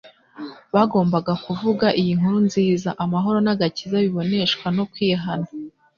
Bagombaga kuvuga iyi nkuru nziza: amahoro n'agakiza biboneshwa no kwihana,